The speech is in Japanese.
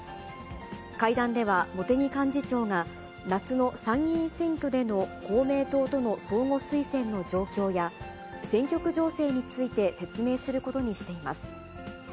会談では、茂木幹事長が、夏の参議院選挙での公明党との相互推薦の状況や、選挙区情勢について説明することにしています。